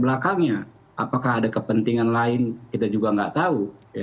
belakangnya apakah ada kepentingan lain kita juga nggak tahu